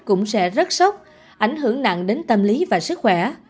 cũng sẽ rất sốc ảnh hưởng nặng đến tâm lý và sức khỏe